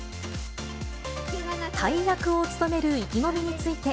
大役を務める意気込みについて、